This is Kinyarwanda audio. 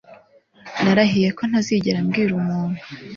Narahiye ko ntazigera mbwira umuntu